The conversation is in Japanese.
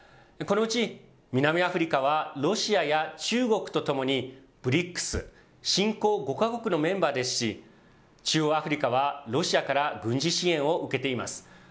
このうち、南アフリカはロシアや中国とともに、ＢＲＩＣＳ・新興５か国のメンバーですし、中央アフリカはロシアから軍事支援を受けています。